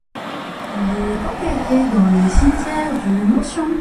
Il est enterré dans le cimetière du Mont Sion.